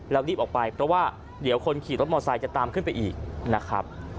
แล้วรีบออกไปเพราะว่าเดี๋ยวคนขี่รถมอไซค์จะตามขึ้นไปอีกนะครับ